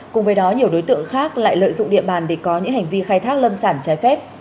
cùng với đó nhiều đối tượng khác lại lợi dụng địa bàn để có những hành vi khai thác lâm sản trái phép